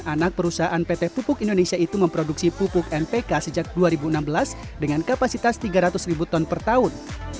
anak perusahaan pt pupuk indonesia itu memproduksi pupuk npk sejak dua ribu enam belas dengan kapasitas tiga ratus ribu ton per tahun